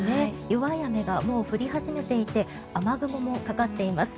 弱い雨がもう降り始めていて雨雲もかかっています。